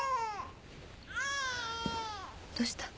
どうした？